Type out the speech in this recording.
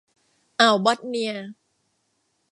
อ่าวบอทเนีย